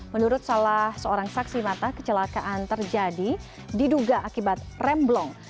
menurut salah seorang saksi mata kecelakaan terjadi diduga akibat remblong